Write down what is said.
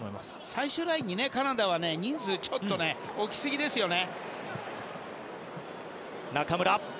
最終ラインにカナダは人数を置きすぎですよね。